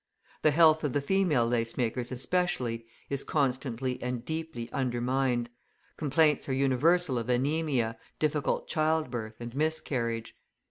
The health of the female lacemakers especially, is constantly and deeply undermined; complaints are universal of anaemia, difficult childbirth, and miscarriage.